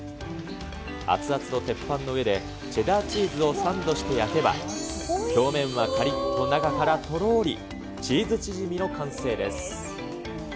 熱々の鉄板の上でチェダーチーズをサンドして焼けば、表面はかりっと、中からとろーり、チーズチヂミの完成です。